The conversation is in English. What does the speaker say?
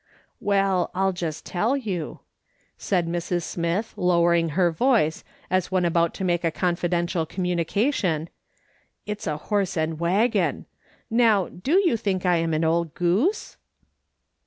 " I'll just tell you," said Mrs. Smith, lowering her voice, as one about to niake a confidential communi cation ;" it's a horse and waggon. Now, do you think I'm an old goose